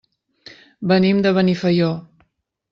Venim de Benifaió.